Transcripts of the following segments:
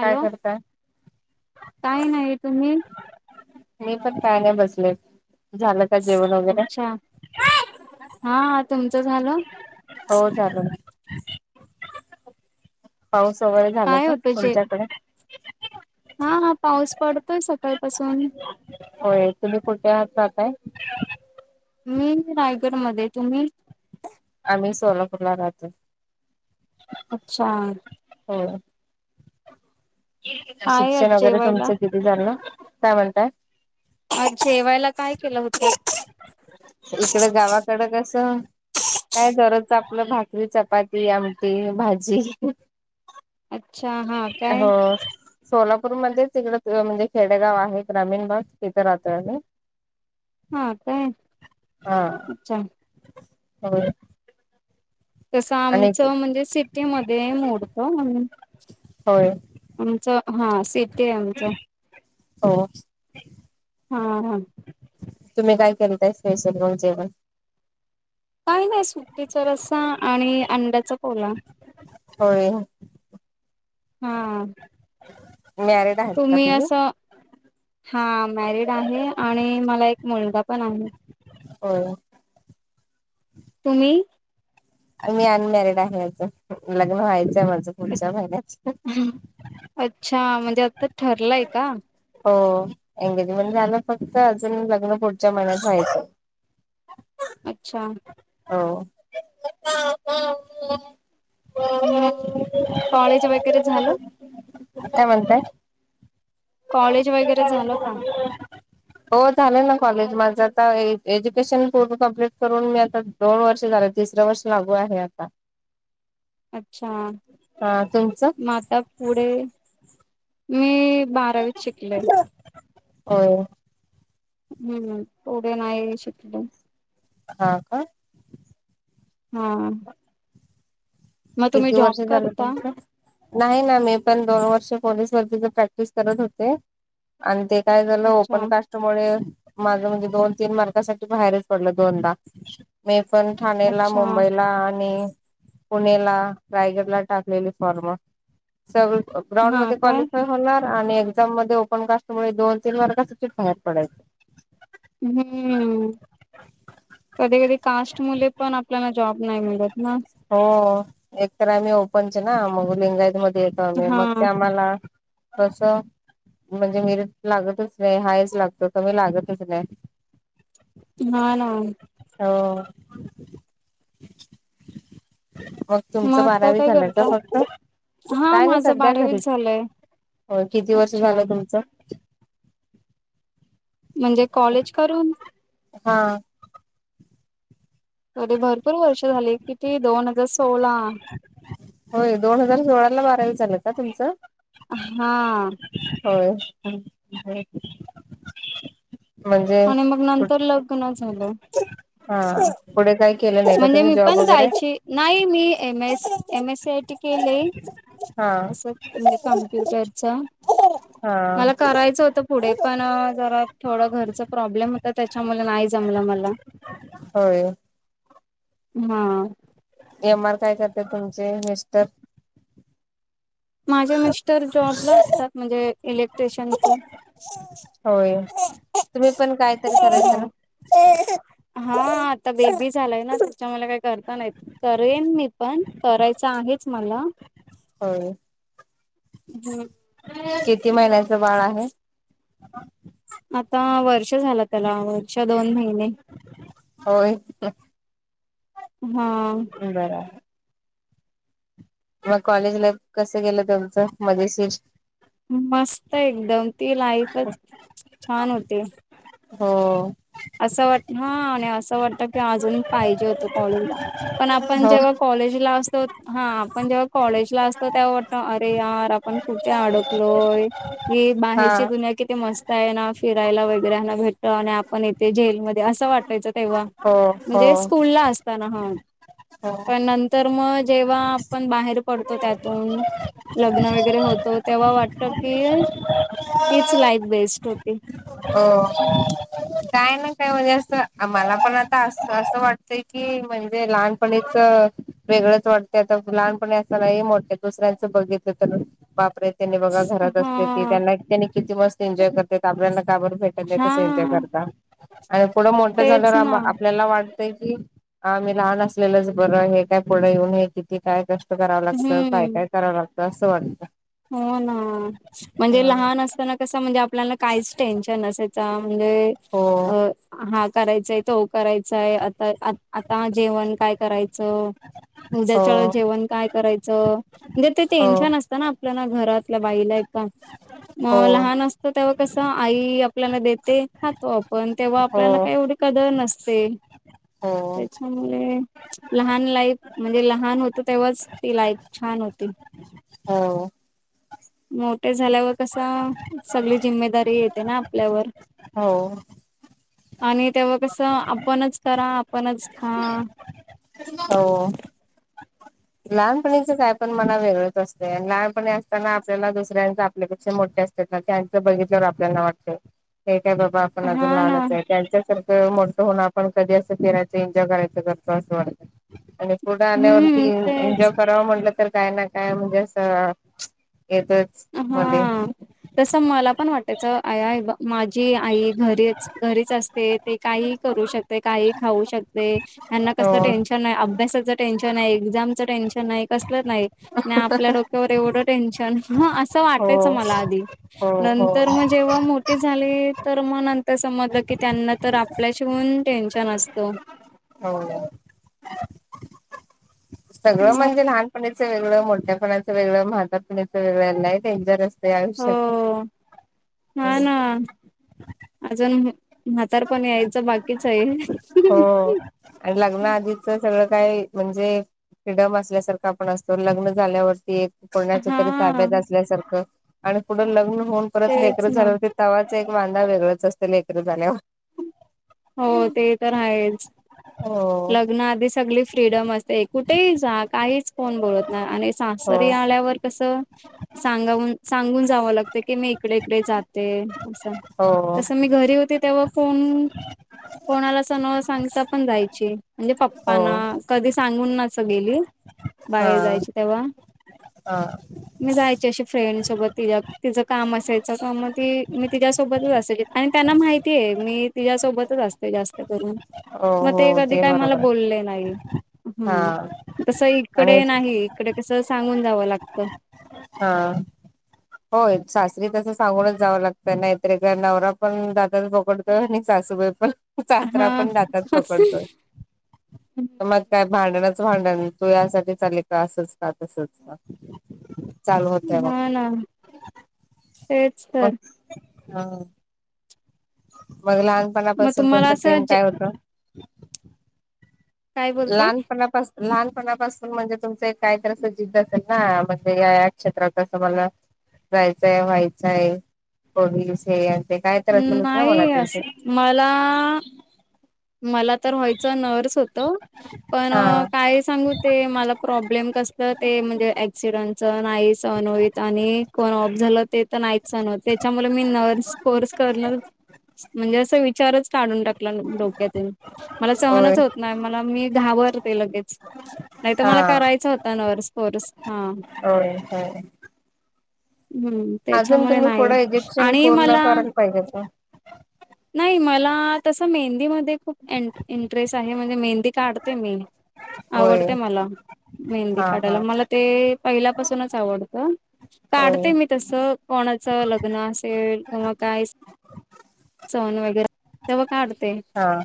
काय करताय? काही नाही तुम्ही? मी पण काय नाही बसले, झालं का जेवण वगैरे? हां तुमचं झालं? हो झालं. पाऊस वगैरे झाला काय का तुमच्याकडे? हां हां पाऊस पडतोय सकाळपासून. होय तुम्ही कुठे राहता ताय? मी रायगडमध्ये तुम्ही? आम्ही सोलापूरला राहतो. अच्छा. होय. काय आज शिक्षण वगैरे जेवायला तुमचं किती झालं, काय म्हणताय? आज जेवायला काय केलं होते? इकडे गावाकडं कसं काय दररोजचं आपलं भाकरी, चपाती, आमटी, भाजी. अच्छा. हा काय हो. सोलापूरमधेचं इकडं म्हणजे खेडेगाव आहे ग्रामीण भाग तिथं राहतोय आम्ही. हां काय हा. अच्छा. होय. तसं आणि आमचं म्हणजे सिटीमधे मोडतं म्हणून होय. आमचं हां सिटी ये आमचं हो. हां हां तुम्ही काय केलं ताई, स्पेशल मग जेवणं काय नाय, सुकटीचा रसा आणि अंड्याचा पोला होय. हा मॅरेड तुम्ही असं हा मॅरिड आहे आणि मला एक मुलगा पण आहे. होय. तुम्ही? मी अनमॅरिड आहे अजून लग्न व्हायचंय माझं पुढच्या महिन्यात. अच्छा म्हणजे आत ठरलय का? हो एंगेजमेंट झालय फक्त अजून लग्न पुढच्या महिन्यात व्हायचं. [unintelligible] अच्छा हो. [inaudible] मग कॉलेज वगैरे झालं? [inaudible] काय म्हणताय कॉलेज वगैरे झालं का? [unintelligible] हो झालंय ना कॉलेज माझं आता ए एज्युकेशन पूर्ण कम्प्लीट करून मी आता दोन वर्ष झालं तिसरं वर्ष लागू आहे आता. अच्छा, हा तुमचं? म आता पुढे मी बारावीच शिकले. होय हम्म पुढे नाही शिकले. हा का हा मग तुम्ही किती जॉब वर्ष झालं करता? त्यांचं नाही ना मी पण दोन वर्ष पोलीस भरतीच प्रॅक्टिस करत होते आणि ते काय झालं अच्छा ओपन कास्ट स्ट मुळे माझ म्हणजे दोन तीन मार्कासाठी बाहेरच पडलं दोनदा मी पण ठाणेला अच्छा मुंबईला आणि पुणे ला रायगड ला टाकलेली फॉर्म सगळी ग्राउंड हा मध्ये काय? क्वालिफय होणार आणि एक्झाम मध्ये ओपन कास्टमुळे दोन तीन मार्क साठी च बाहेर पडयच. हूं कधी कधी कास्ट मुले पण आपल्याला जॉब नाही मिलत ना- हो एकतर आम्ही ओपनचे ना मग लिंगायत मध्ये येतो आम्ही हा मग ते आम्हाला कस म्हणजे मिरीट लागतच नाय हायच लागतो कमी लागतच नाय. नाय ना हो. [unintelligible] मग तुमचं आता बारावी काय झालं का करता? फक्त? हा काय नाही माझं सध्या बारावीच घरीच. झालंय हो, किती वर्ष अच्छा झालं तुमचं? म्हणजे कॉलेज करून हा अरे भरपूर वर्ष झाली, किती दोन हजार सोला? होय दोन हजार सोळा ला बारावी झालं का तुमचं? हां. होय होय की आणि मग नंतर लग्न झालं. हा. पुढे काही केलं नाही का म्हणजे तुम्ही मी जॉब पण वगैरे? जायची नाही, मी M S M S C I T केले हा असं. कम्प्युटरचा, हा मला करायचं होतं पुढे पण जरा थोडा घरच प्रॉब्लेम होता, त्याच्यामुळे नाही जमलं मला. होय. हां. एम आर काय करते तुमचे मिस्टर? माझे मिस्टर जॉबला असतात म्हणजे इलेक्ट्रिशियन. होय, तुम्ही पण कायतरी करायचं ना? हा, आता बेबी झालाय ना, त्याच्यामुले काय करता नाही येत. करेन मी पण, करायचं आहेच मला होय. हुं. किती महिन्यांचं बाळ आहे? आता वर्ष झाल त्याला, वर्ष दोन महिने. होय हां. बरा मग कॉलेज लाईफ कसं गेलं तुमचं मजेशीर? मस्त, एकदम ती लाईफच छान होती. हो. असं वाटत, हा आणि असं वाटत, की अजून पाहिजे होतो कॉलेजला. पण आपण हो जेव्हा कॉलेजला असतो हा. पण जेव्हा कॉलेजला असतो तेव्हा वाटत, अरे यार आपण कुठे अडकलोय? ही हा बाहेरची दुनिया किती मस्त आहे ना, फिरायला वगैरेना भेटत आणि आपण येथे जेलमध्ये असं वाटत. तेचं तेव्हा हो हो म्हणजे, स्कूलला असताना हा. हो. पण नंतर म जेव्हा, आपण बाहेर पडतो त्यातून लग्न वगैरे होत, तेव्हा वाटत की, तीच लाईफ बेस्ट होती. अ. काय ना, काय म्हणजे, असं मला पण आता अस असं वाटतय, की म्हणजे लहानपणीच वेगळंच वाटतय आता, लहानपणी असताना, हे मोट दुसऱ्यांचं बघितलं तर बापरे! तेनी बघा घरात असत्याती, हा त्यांना त्यांनी किती एक मस्त एन्जॉय करते, आपल्याला घाबर तोय त्या हा कणी आणि पुढं मोठं तेच ना. झालंयावर आपल्याला वाट तय की, आम्ही लहान असलेलंच बरं आहे, हे काय पुढं येऊन हे किती काय कष्ट ष्ट करावं लागतं, काय हम्म -काय करावं लागतं, असं वाटतं. हो ना, म्हणजे लहान अस [unintelligible] कसं म्हणजे, आपल्याला काहीच टेन्शन नसायचा. म्हणजे, हो अ हा करायचाय, तो करायचाय. आता आत आता जेवण काय करायचं? उद्याच्याला, हो जेवण काय करायचं? म्हणजे, ते हो टेन्शन असतं ना, आपल्याला. घरातल्या बाईला एका. म हो लहान अस तेव्हा कसं, आई आपल्याला देते. खातो आपण. तेव्हा हो आपल्याला काय एवढ कदर नसते. हो तेच [unintelligible] लहान लाईफ. म्हणजे, लहान होतो तेव्हाच, ती लाईफ छान होती. हो. मोठे झाल्यावर कसं, सगळी जिम्मेदारी, येते ना आपल्यावर. हो. आणि तेव्हा कसं, आपणच करा, आपणच खा. [unintelligible] हो. लहानपणीचं काय पण म्हणा, वेगळंच असतंय. लहानपणी असताना आपल्याला दुसऱ्यांच आपल्यापेक्षा, मोठ्या अस त्यांच बघितल्यावर, आपल्याना वाटतं. हे काय बाबा, आपण अजून हा ना लहानचय. त्यांच्या सारख खं मोठं होऊन, आपण कधी असं फिरायच. एन्जॉय करायचं - करतो असं वाटतं. आणि पुढं आल्यावरती हम्म तेच करावं म्हटलं, तर काय ना काय म्हणजे असं, [unintelligible] येतच. मध्ये हं. तसं मला पण वाटायचं. आ ई बा माझी आई घरीच -घरीच असते. ते काही करू शकते. काहीही खाऊ शकते. त्यांना हो कसलं टेन्शन नाही. अभ्यासाच टेन्शनय. एक्झामचं टेन्शन नाही. कसलं नाही. नी आपल्या डोक्यावर एवढं टेन्शन. ह. असं, हो वाटायचं मला आधी. हो नंतर मग हो जेव्हा मोठी झाली. तर मग नंतर समजलं की, त्यांना तर आप आपल्या शिवून टेन्शन असतो. हो. सगळं म्हणजे, लहानपनीचं वेगळं. मोठ्यापणाचं वेगळं. म्हातारपनीचं वेगळं. लय डेंजर अस हो. हा, ना. अजून, म्हातारपण यायचं बाकीचय. [unintelligible] हो. लग्ना आधीचं सगळं काय, म्हणजे फ्रीडम असल्यासारखा आपण असतो. लग्न झाल्यावरती एक कोणाच्या तरी हा ताब्यात असल्यासारखं. आणि पुढं लग्न होऊन, परत तेच लेकर ना झाल्यावरती तवाचा एक वांदा वेगळंच असतं. लेकर झाल्यावर. हो. ते तर आहेच. हो लग्न आधी, सगळी फ्रीडम असते. ते कुठेही जा. काहीच, कोण बोलत नाही. आणि हो सासरी आल्यावर कसं सांगावून - सांगून जावं लागत की, मी इकडे- इकडे जाते. असं. हो तसं मी घरी होते. तेव्हा फोन कोणाला असं न सांगता पण जायची. म्हणजे हो पप्पाना कधी सांगून असं गेलीय? बाहेर हा. जायची तेव्हा. हा. मी जायची अशी फ्रेंडसोबत. तिज्या, तिचं काम असायचं का? मग ती मी तिच्यासोबत असायची. आणि त्यांना माहितीय. मी तिच्यासोबत च असते जास्त करून. हो मग ते हो कधी, काय मला बरोबर बोलले नाही. हा ह. तसं, आणि इकडे नाही. इकडे कसं? सांगून जावं लागतं हा. होय सासरी कसं सांगूनच जावं लागतं, नाही तरे काय नवरा पण [unintelligible] त आणि सासूबाई पण, सासरा हा पण जाचात पकडतो. [inaudible] मग काय भांडणच-भांडण, तू यासाठी चाली का? असच का, तसच का. चालू होतय हा मग, ना तेच तर हं. मग मग लहानपणापासून तुम्हाला तुमच असं एम जे काय होत? काय बोलताय लहानपणापास लहानपणापासून म्हणजे तुमचं काहीतरी असं जिद्द असेल ना, म्हणजे या या क्षेत्रात असं बघा जायचंय व्हायचंय पोलीस, हे ते काय तर असेलच ना, मला नाही त्यांचे असं मला मला तर व्हायचं नर्स होतं, पण हा अ काय सांगू ते मला प्रॉब्लेम कसलं, ते म्हणजे ऍक्सिडेंटच, नाई सहन हो इत आणि कोण ऑफ झालं, ते तर नाहीच सांगणार, त्याच्यामुल मी नर्स कोर्स करन म्हणजे असा विचारच काढून टाकला, न डोक्यातून, मला होय सहनच होत नाय, मला मी घाबरते लगेच नाही त, मला हा करायचा होता, नर्स कोर्स, हां. [inaudible] हम्म, अजून त्याच्यामुळे तुम्ही नाही पुढं एज्युकेशन आणि पूर्ण मला करायला पाहिजे होतं. नाही मला, तसं मेहंदी म खूप एन-इंटरेस्ट आहे, म्हणजे मेहंदी काढते मी होय. आवडते मला, मेहंदी हा हा काढायला, मला ते पहिल्यापासूनच आवडतं. होय काढते मी तसं, कोणाचं लग्न असेल किंवा काय स सण वगैरे [unintelligible] तेव्हा काढते. हं,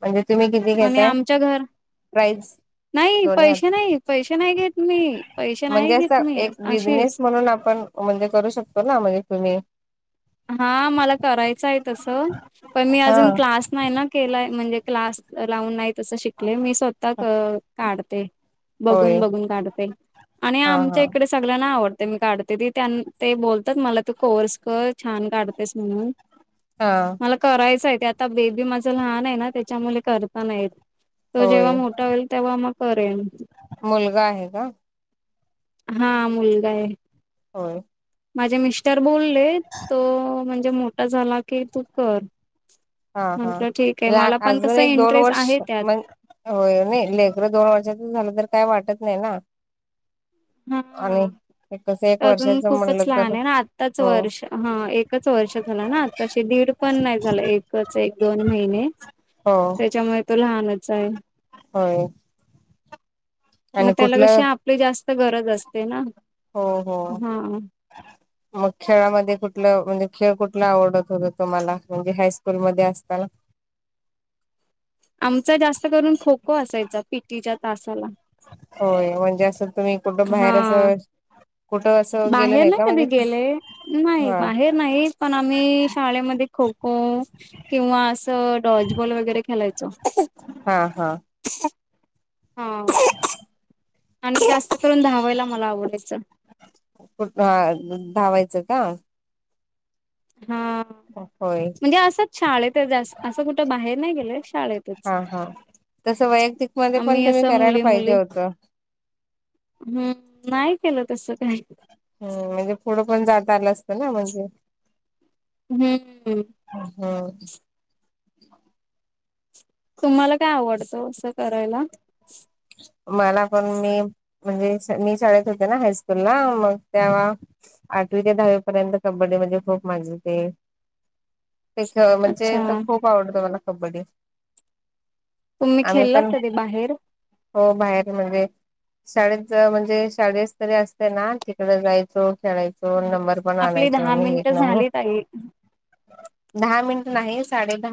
म्हणजे तुम्ही किती आणि घेताय, आमच्या घर प्राईज? नाही, दोन्ही पैशे हात नाही, पैशे नाही घेत मी, पैशे नाही घेत मी, अशेच हो ना, पण म्हणजे करू शकतो ना, म्हणजे तुम्ही हां मला करायचं य तसं, पण मी हा. अजून क्लास नाही ना केलाय, म्हणजे क्लास लावून, नाही तसं शिकले, मी स्वतः क-काढते. होय बघून-बघून काढते आणि हा हा आमच्या इकडे स सगळ्यांना आवडते, मी काढते ती, ते बोलतात मला तू कोर्स कर. छान काढतेस, म्हणून हां. मला करायचं य, ते आता बेबी माझं लहान आहे ना, त्याच्यामुले करता नाय येत. तो जेव्हा होय मोठा होईल, तेव्हा म करेल. मुलगा आहे का? हां, मुलगा ये. होय. माजे मिस्टर, बोलले तो, म्हणजे मोठा झाला की, तू कर हां हां, म्हटलं ठीक आहे ला मला पण अजून कसं एक-दोन इंटरेस्ट वर्ष आहे त्यात म होय, नही लेकरं दोन वर्षाच झालं, तर काय वाटत नाही ना. आणि हां. ते कसं एक तर अजून वर्षाच म्हणलं खूपच तर लहान ये ना, आत्ताच हो वर्ष, हं एकच वर्ष झालं ना, आताशी दीड पण नाही झालं, एक कच, दोन महिने, हो त्याच्यामुळे तो लहानच हाये. होय. म आणि त्याला कशी कुठलं आपली जास्त गरज असते ना हो हो हा. मग खेळामध्ये कुठलं म्हणजे खेळ कुठला आवडत होता तुम्हाला म्हणजे हायस्कूलमध्ये असताना. आमचा जास्त करून खो खो असायचा पी टी च्या तासाला होय म्हणजे असं तुम्ही कुठं बाहेर हा. असं कुठं असं गेलं बाहेर नाही नाय का कधी म्हणजे गेले. नाही हा बाहेर नाही पण आम्ही शाळेमध्ये खो खो किंवा असं डॉचबॉल वगैरे खेलायचो. हा हा हा आणि जास्त करून धावायला मला आवडायचं. कुठ हा धावायचं का? हा होय. म्हणजे असंच शाळेत जास् असं कुठं बाहेर नाय गेलं शाळेतच हा हा तसं वैयक्तिक मध्ये पण आम्ही तुम्ही असं करायला मुली पाहिजे मुली होत. हम्म नाय केलं तस काय हो म्हणजे पुढं पण जाता आलं असतं ना म्हणजे हम्म हो. तुम्हाला काय आवडतं असं करायला मला पण मी म्हणजे मी शाळेत होते ना हायस्कूला मग तेव्हा आठवी ते दहावी पर्यंत कबड्डी मध्ये खूप मजा येते. ते खेळ म्हणजे तो अच्छा खूप आवडतो मला कबड्डी तुम्ही आम्ही खेळलात पण कधी बाहेर हो बाहेर म्हणजे शाळेत म्हणजे शालियस्तरी असते ना तिकड जायचो खेळाय चो नंबर पण आपली आणायचो दहा मी एक मिनिटं नंबर झाली ताई दहा मिनट नाही साडे दहा